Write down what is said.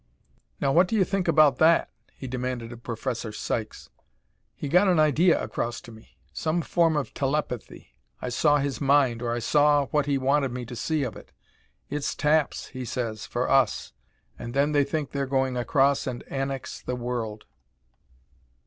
"Now what do you think about that?" he demanded of Professor Sykes. "He got an idea across to me some form of telepathy. I saw his mind, or I saw what he wanted me to see of it. It's taps, he says, for us, and then they think they're going across and annex the world."